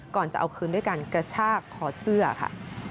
ก่อนจะเอาคืนด้วยการกระชากคอเสื้อค่ะ